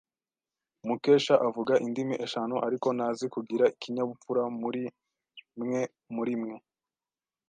Mukesha avuga indimi eshanu, ariko ntazi kugira ikinyabupfura murimwe murimwe.